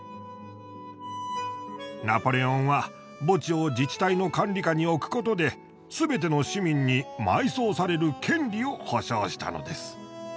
ナポレオンは墓地を自治体の管理下に置くことですべての市民に埋葬される権利を保障したのです。